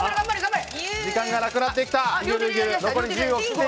時間が無くなってきた。